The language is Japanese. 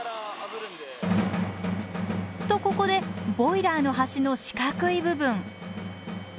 とここでボイラーの端の四角い部分。